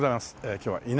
今日はね